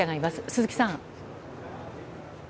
鈴木さん。